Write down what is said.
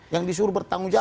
yang disuruh bertanggung jawab